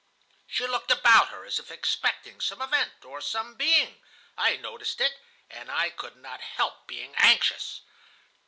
She looked about her as if expecting some event or some being. I noticed it, and I could not help being anxious.